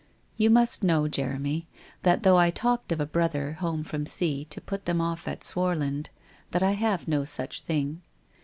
You must know, Jeremy, that though I talked of a brother home from sea to put them all off at Swarland, that I have no such thing.